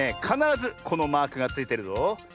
かならずこのマークがついてるぞ。